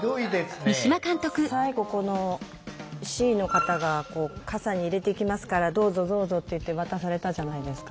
最後このＣの方が「傘に入れていきますからどうぞどうぞ」って言って渡されたじゃないですか。